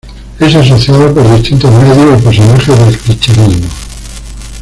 Es asociado por distintos medios y personajes al kirchnerismo.